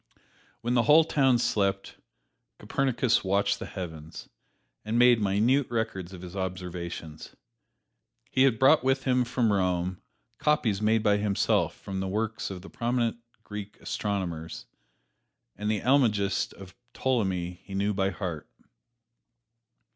When the whole town slept, Copernicus watched the heavens, and made minute records of his observations. He had brought with him from Rome copies made by himself from the works of the prominent Greek astronomers, and the "Almagest" of Ptolemy he knew by heart.